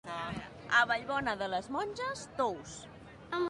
A Vallbona de les Monges, tous.